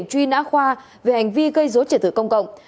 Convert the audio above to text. để truy nã khoa về hành vi gây dối triển thử công cộng